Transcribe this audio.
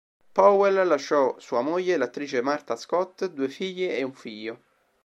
Powell lasciò sua moglie, l'attrice Martha Scott, due figlie e un figlio.